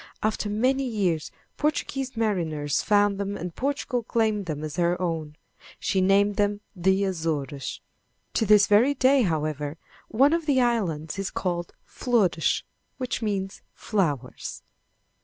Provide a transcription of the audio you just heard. After many years Portuguese mariners found them and Portugal claimed them as her own. She named them the Azores. To this very day, however, one of the islands is called Flores, which means flowers.